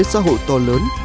xã hội to lớn